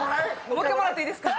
もう１回もらっていいですか？